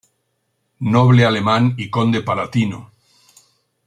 Noble alemán y conde palatino.